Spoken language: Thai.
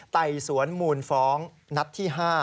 ไต่สวนมูลฟ้องนัดที่๕